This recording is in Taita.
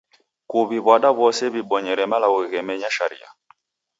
Kuw'iw'ada w'ose w'ibonyere malagho ghemenya sharia.